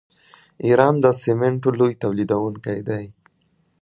ایران د سمنټو لوی تولیدونکی دی.